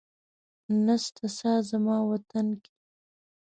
نسته ساه زما وطن کي